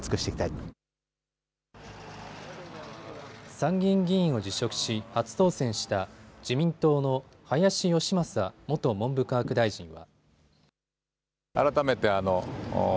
参議院議員を辞職し初当選した自民党の林芳正元文部科学大臣は。